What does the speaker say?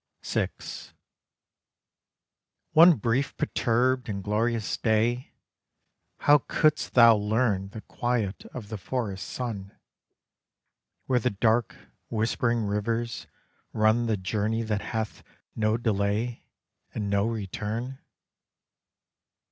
VI One brief perturbed and glorious day! How couldst thou learn The quiet of the forest sun, Where the dark, whispering rivers run The journey that hath no delay And no return?